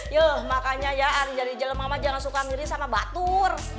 yuh makanya ya anjali jelma ma jangan suka miris sama batur